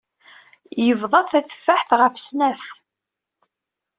Yebḍa tateffaḥt ɣef snat.